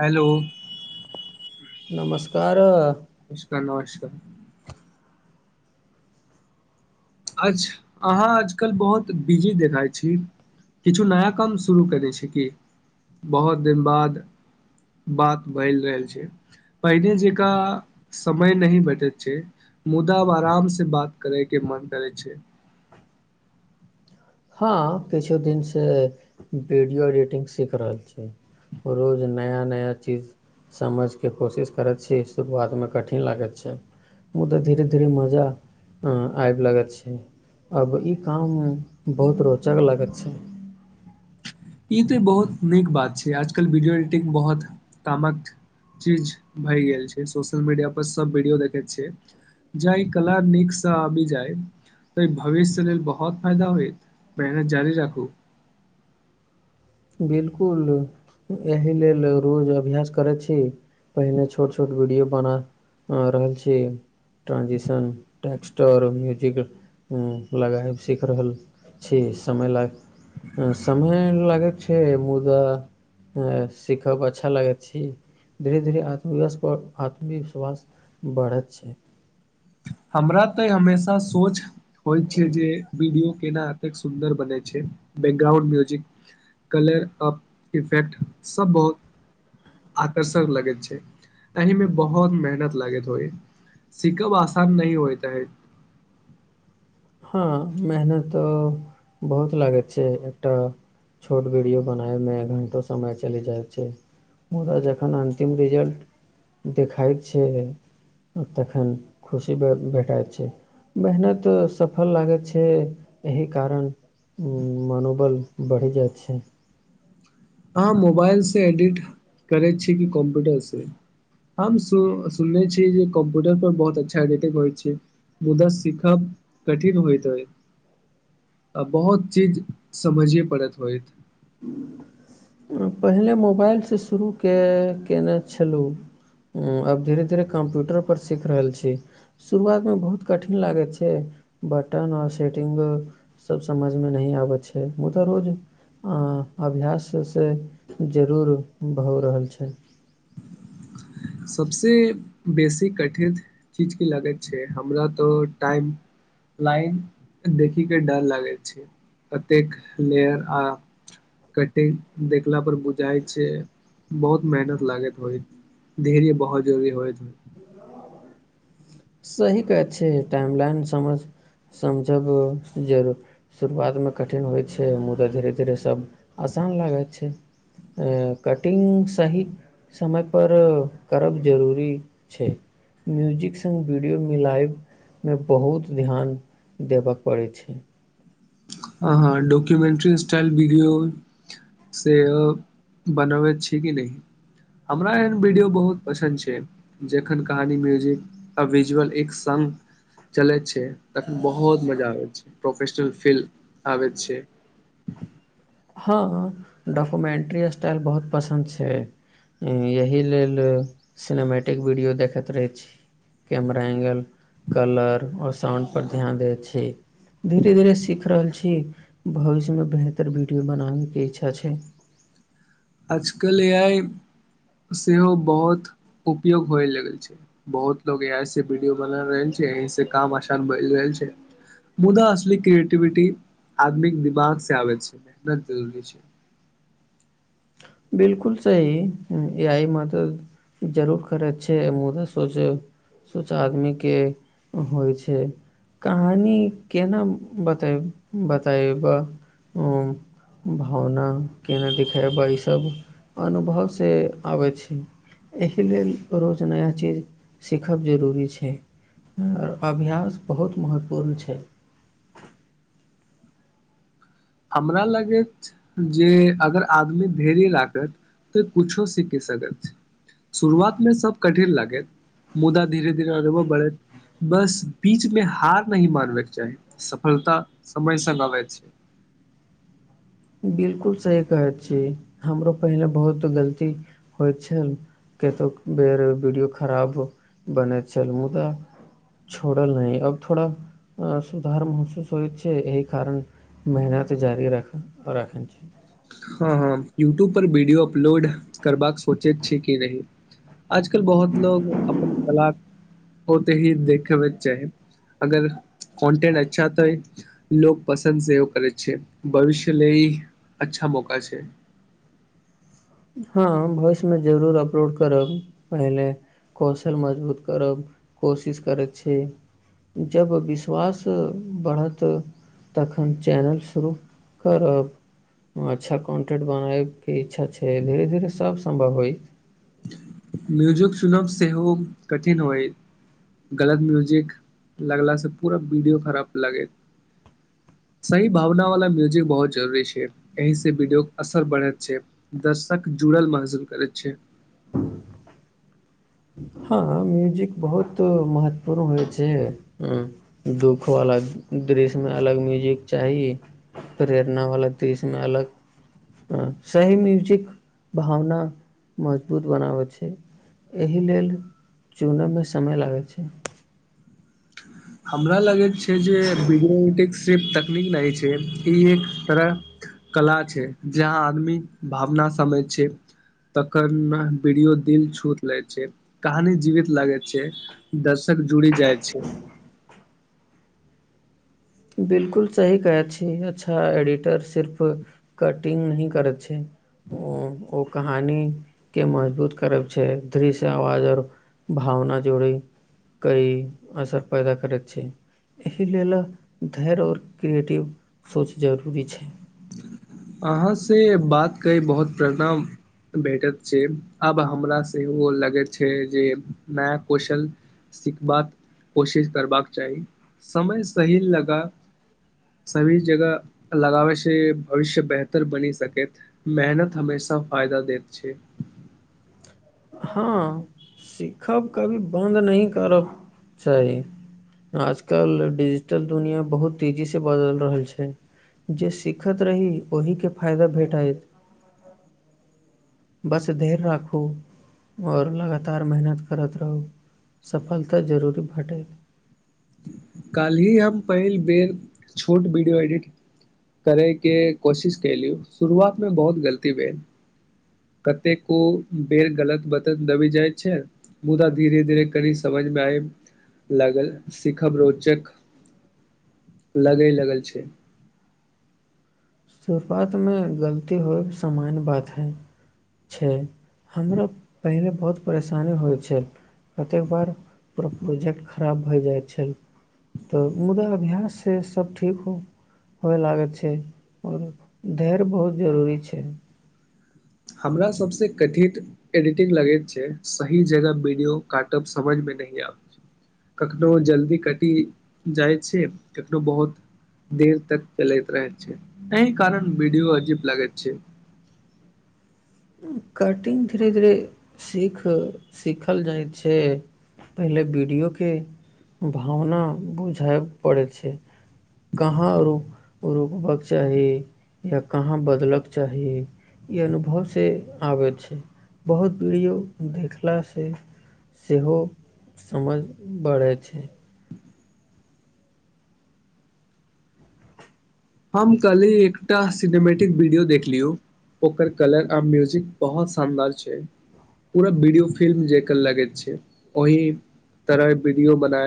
Hello नमस्कारअ नमस्कार नमस्कार अच्छे अहाँ आजकल बहुत बिजी देखाइत छी किछु नया काम शुरू कने छी की बहुत दिन बाद बात भैल रहल छै पहिने जेकाँ समय नहि भेटैत छै मुदा आब आरामसँ बात करयके मन करै छै हँ किछु दिनसँ वीडियो एडिटिंग सीख रहल छी रोज नया नया चीज समझके कोशिश करैत छी शुरुआतमे कठिन लागैत छै मुदा धीरे धीरे मजा हँ आबि लागैत छै अब ई काम बहुत रोचक लागेत छै ई तऽ बहुत नीक बात छै आजकल वीडियो एडिटिंग बहुत कामक चीज भए गेल छै सोशल मीडिया पर सब वीडियो देखैत छैिय जा ई कला नीकसँ आबि जाय तऽ ई भविष्य लेल बहुत फायदा होयत मेहनत जारी राखू बिल्कुल एहि लेल रोज अभ्यास करैत छी पहिने छोट छोट वीडियो बना रहल छी ट्रानंजिशन टेस्ट आओर म्यूजिक लगायब सीख रहल छी समय लागि समय लागैत छै मुदा ऐं सीखब अच्छा लागैत छी धीरे धीरे आत्मविश्वासपर आत्मविश्वास बढ़त छै हमरा त हमेशा सोच होइ छै जे वीडियो केना एतेक सुन्दर बनै छै background music colour up effect सब बहुत आकर्षक लगैत छै एहि मे बहुत मेहनत लागैत होय सीख वास्त आसान नहि होयत अछि हँ मेहनत बहुत लागैत छै एकटा छोट वीडियो बनाबमे घण्टो समय चलि जाइत छै मुदा जखन अन्तिम रिजल्ट देखाइत छै तखन खुशी भेटाइत छै मेहनत। सफल लागैत छै एहि कारण मनोबल बढ़ि जाइ छै अहाँ मोबाइलसँ एडिट करै छीिय कि कम्प्यूटरसँ हम सु सुनने छियै जे कम्प्यूटरपर बहुत अच्छा एडिटिंग होइ छै मुदा सीखब कठिन होइत होइत आ बहुत चीज समझे पड़ैत होइत। पहिले मोबाइलसँ शुरू कै केने छलहुँ आब धीरे धीरे कम्प्यूटर पर सीख रहल छी शुरुआतमे बहुत कठिन लागै छै बटन आओर सेटिंग सब समझमे नहि आबै छै मुदा रोज अं अभ्यास से जरूर भऽ रहल छै सबस बेसी कठिन चीज की लगैत छै हमरा तो टाइम लाइन देखी के डर लागैत छै कतेक लेयर आ कटिंग देखला पर बुझाइ छै बहुत मेहनत लागेत होइ देहरीिय बहुत जरूरी होए त। सही कहैत छै टाइम लइन समझ समझब ज शुरुआतमे कठिन होइ छै मुदा धीरे धीरे सभ आसान लागैत छै कटिंग सही समयप करब जरूरी छै म्यूजिक। वीडियो मे लाइव मे बहुत ध्यान देबअ परैय छै हँह डॉक्युमेंट्री स्टाइल वीडियो से बनबैत छी कि नहि हमरा एहन वीडियो बहुत पसन्द छै जखन कहानी म्यूजिक आ विजुअल एक सङ्ग चलैत छै तखन बहुत मजा आबैत छै प्रोफेशनल फिल्म आबै छै हँ डॉक्युमेंट्री स्टाइल बहुत पसन्द छै यही लेल सिनेमेटिक वीडियो देखैत रहे छी कैमरा एंगल कलर और साउंड पर ध्यान दे छी धीरे-धीरे सीख रहल छी भविष्य मे बेहतर। बना क इच्छा छै। आजकल ए आइ सेहो बहुत उपयोग होए लगल छै बहुत लोग ए आइ से वीडियो बना रहल छै एहिहसँ काम आसान बल रहल छै मुदा असली क्रिएटिविटी आदमीके दिमाग से आबैत छै मेहनत जरूरी छै। बिलकुल सही इ मदद जरूर करैत छै मुदा सोच सोच आदमी के होइ छै कहानी केना बत बतेबा उ भावना केना दिखेबा ईस। तब अनुभवसँ आबै छै एहि लेल रोज नया चीज सीखब जरूरी छै अभ्यास बहुत महत्वपूर्ण छै हमरा लगैत जे अगर आदमी धेर्य राखत तऽ कुछो सीखि सकथि छै शुरुआतमे सब कठिन लागेत मुदा धीरे धीरे अनुभव बढ़त बस बीच मे हार नहि मानबेके चाही सफलता समय स आबै छै बिल्कुल सही कहैत छी हमरो पहिनेे बहुत गलती होइत छल कतो बेर वीडियो खराब बनैत छल मुदा छोड़ल नहि अब थोड़ा सुधार महसूस होइत छै एहि कारण मेहनत जारी रख राखै छी। हँ हँ यूट्यूब पर वीडियो अपलोड करबाक सोचैत छै कि नहि आजकल बहुत लोग अपन तलाक होते ही देखबके चाही अगर कन्टेंट अच्छा तऽ लोग पसन्द सेहो करै छै भविष्य ले इ अच्छा मौका आ छै हँ भविष्य मे जरूर अपलोड करब पहिले कौशल मजबूत करब कोशिश करैत छी जब विश्वास बढ़त तखन चैनल शुरू करब अच्छा कॉन्टेंट बनाबै के इच्छा छै से धीेरे-धीरे सब सम्भव होइ। म्यूजिक चुनब सेहो कठिन होय गलत म्यूजिक लगला से पूरा वीडियो खराब लगे सही भावना वाला म्यूजिक बहुत जरूी छै एहि से बीडियो के असर बढ़ैत छै दर्शक जुड़ल महसूल करैत छै। हँ म्यूजिक बहुत महत्वपूर्ण होइ छै हूँ दुःख वाला दृश्यमे अलग म्यूजिक चाही प्रेरणा वाला दृश्यमे अलग हँ सही म्यूजिक भावना मजबूत बनाबैत छै एहि लेल चुनयमे समय लागै छै। हमरा लगेत छै जे वीडियोटिकस से तकनीक नहि अछि ई एक तरह कला छै जहाँ आदमी भावना समझै छै तखन वीडियो दिल छू लेय छै कहानी जीवित लागे छै दर्शक जुड़ी जाय छै बिलकुल सही कहैत छी अच्छा एडिटर सिर्फ कटिंग नहि करैत छै ओ ओ कहानी के मजबूत करैत छै दृश्य आवाज आओर भावना जोड़ी कई असर पैदा करैत छै एहि लेल धैर्य आओर क्रिएटिव सोच जरूरी छै। अहाँसे बातके बहुत प्रेरणा भेटैत छै आब हमरा सेहो लगैत छै जे नया कौशल सिखबाक कोशिश करबाक चाहि समय सही लगा सही जगह लगाबैयसँ भविष्य बेहतर बनी सक मेहनत हमेशा फायदा देैत छै। हँ सिखब कभी बन्द नही करब चाही आजकल डिजिटल दुनिया बहुत तेजी से बदल रहल छै जे सिखैत रही ओहि के फायदा भेटाइत बस धैर्य राखू आओर लगातार मेहनत करैत रहू सफलता जरूरी भेटत कालिह हम पहिल बेर छोट वीडियो एडिट करैके कोशिश केलहूँ शुरुआत मे बहुत गलती भेल कतेेको बेर गलत बटन दबी जाइ छै मुदा धीरे धीरे कनि समझमे आयब लागल सीखब रोचक लगे लगल छै शुरुआतमे गलती होयके सामान्य बात हइ छै हमरा पहिले बहुत परेशानी होइ छल कतेक बार पूरा प्रोजेक्ट खराब भय जाइ छल तऽ मुदा अभ्याससँ सभ ठीक होय लागै छै आओर धैर्य बहुत जरूरी छै हमरा सबसँ कठिन एडिटिंग लगैत छै सही जगह वीडियो काटब समझमे नहि आबैत छै कखनो जल्दी कटि जाइत छै कखनो बहुत देर तक चलैत रहैत छै एहि कारण वीडियो अजीब लागैत छै कटिंग धीरे-धीरे सीख सीखल जाइ छै पहिले वीडियो के भावना बुझाय पड़ै छै कहाँ र रुकबक चाही या कहाँ बदलक चाही ई अनुभव। से आबै छै बहुत वीडियो देखलासँ सेहो समझ बढ़ै छै। हम काल्हि एकटा सिनेमेटिक वीडियो देखलियौ ओकर कलर आ म्यूजिक बहुत शानदार छै पूरा वीडियो फिल्म जेकर लगैत छै ओहिी तरह वीडियो बना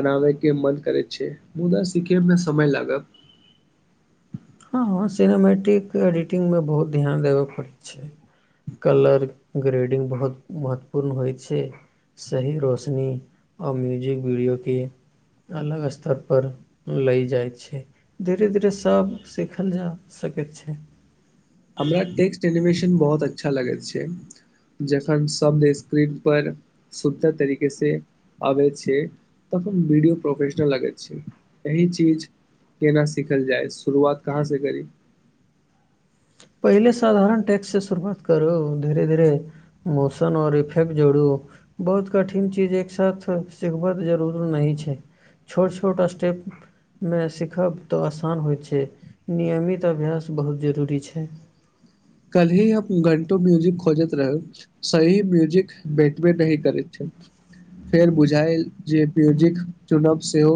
बनाबयके मन करैत छै मुदा सिखयमे समय लागत। हँ हाँ सिनेमैट्रिक रीडिंग में बहुत ध्यान देब परई छै कलर ग्रैडिएंट बहुत महत्वपूर्ण होय छै सही रोशिनी अ म्यूजिक वीडियो के अलग अस्तर पर लै जाय छै धीरे-धीरे सब। सीखल जा सकैत छै। हमरा् टेक्स्ट ऐली मेंस लेकिन बहुत अच्छा लगई छै जखन सब स्क्रीन पर सुंदर तरीके से अबै छै तखन वीडियो प्रोफेशनल लगई छै यही चीज केना सिखल जाय शुरुआत कहा स करी। पहिले साधारण ट् से शुरुआत करू धीरे धीरे मौशन और इफेक्ट जोड़ू बहुत कठिन चीज एक साथ सिखबत जरूरत नै छै छोट छोट स्टेप में सीखब त असान होयत छै नियमित अभ्यास बहुत जरूरी छै। ठीक। कल ही हम घंटो म्यूजिक खोजैत रहे सही म्यूजिक भेटबे न करैत छै फेर बुझााय जे म्यूजिक चुनब सेहो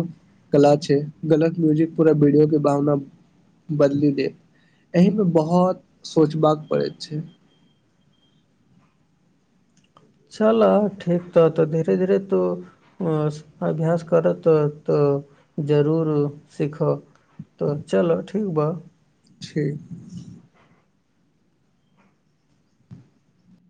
कला छै गलत म्यूजिक पूरा विडियो के भावना बदलि देत एहि में बहुत खोचबाकाग पड़े छै। चलऽ ठीक तऽ तऽ धीरे-धीरे तू अभ्यास करत त जरूर सिख त चल ठीक बा। ठीक।